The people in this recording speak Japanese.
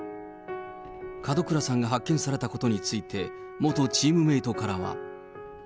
門倉さんが発見されたことについて、元チームメートからは。